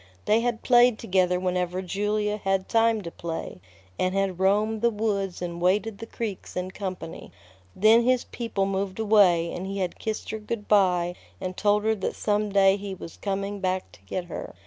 They had played together whenever Julia had time to play, and had roamed the woods and waded the creeks in company. Then his people moved away, and he had kissed her good by and told her that some day he was coming back to get her.